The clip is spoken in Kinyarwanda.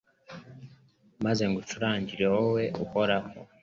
maze ngucurangire wowe Uhoraho